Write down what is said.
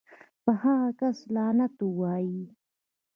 پۀ هغه کس لعنت اووائې